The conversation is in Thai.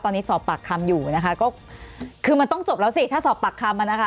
ตอนนี้สอบปากคำอยู่นะคะก็คือมันต้องจบแล้วสิถ้าสอบปากคำมานะคะ